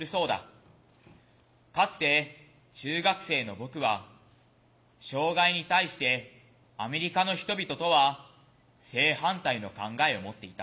かつて中学生の僕は障害に対してアメリカの人々とは正反対の考えを持っていた。